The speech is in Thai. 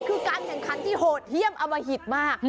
คือการแข่งขันที่โหดเยี่ยมอมหิตมาก